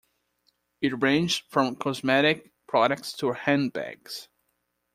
It ranges from cosmetic products to handbags.